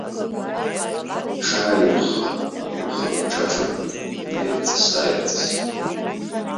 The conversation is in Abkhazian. Иҽааирххан, ижәҩахыр ԥҽаҽақәа наирҵысы-ааирҵысит.